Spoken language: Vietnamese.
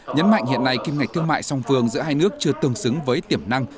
nhấn mạnh hiện nay kim ngạch thương mại song phương giữa hai nước chưa tương xứng với tiềm năng